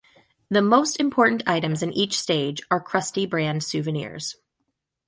The most important items in each stage are Krusty-brand souvenirs.